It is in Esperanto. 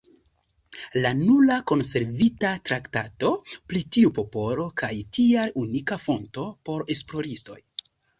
La nura konservita traktato pri tiu popolo kaj tial unika fonto por esploristoj.